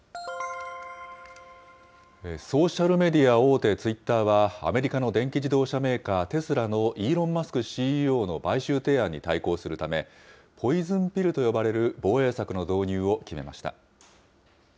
ソーシャルメディア大手、ツイッターは、アメリカの電気自動車メーカー、テスラのイーロン・マスクＣＥＯの買収提案に対抗するため、ポイズンピルと呼ばれる防衛策の導入を決めました。